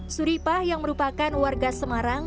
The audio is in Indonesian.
suripah yang merupakan warga semarang